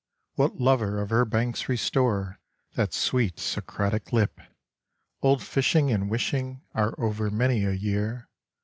What lover of her banks restore That sweet Socratic lip? Old fishing and wishing Are over many a year.